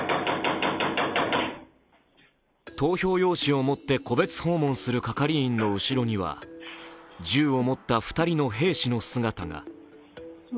投票用紙を持って、戸別訪問する係員の後ろには銃を持った２人の兵士の姿が。